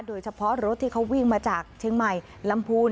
โดยเฉพาะรถที่เขาวิ่งมาจากเชียงใหม่ลำพูน